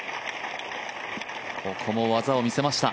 ここも技を見せました。